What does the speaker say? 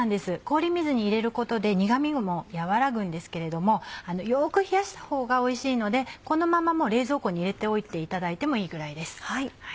氷水に入れることで苦味も和らぐんですけれどもよく冷やしたほうがおいしいのでこのまま冷蔵庫に入れておいていただいてもいいぐらいです。